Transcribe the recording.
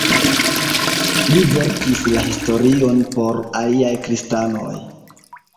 Li verkis la historion por aliaj kristanoj.